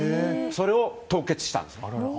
それを凍結したんです。